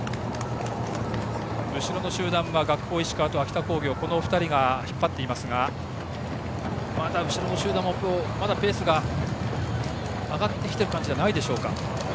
後ろの集団は学法石川と秋田工業の２人が引っ張っていますがまだ後ろの集団もペースが上がってきている感じはないでしょうか。